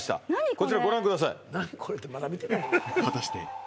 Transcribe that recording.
こちらご覧ください